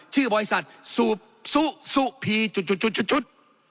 ชื่อบริษัทสุสุสุพีจุดจุดจุดจุดจุด